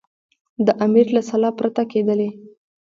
د امیر له سلا پرته کېدلې.